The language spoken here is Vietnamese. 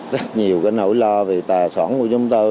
rất nhiều cái nỗi lo về tài sản của chúng tôi